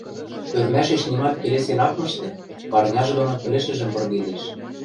Ӧрмӓшеш нимат келесен ак мышты, парняжы доно пӹлӹшӹжӹм пыргедеш.